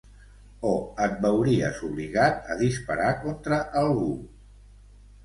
O et veuries obligat a disparar contra algú